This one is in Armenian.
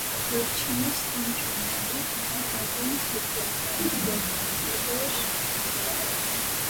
Վերջինս այն ժամանակ խմբում հարվածային գործիքներ էր նվագում։